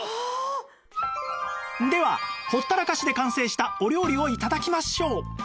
ではほったらかしで完成したお料理を頂きましょう